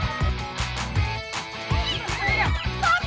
bisten lebih m commerkan juga gitu kau